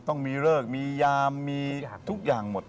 ต้องมีเลิกมียามมีทุกอย่างหมด